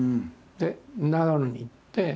で長野に行って。